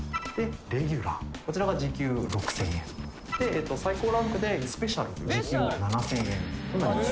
レギュラーこちらが時給６０００円で最高ランクでスペシャル時給７０００円となります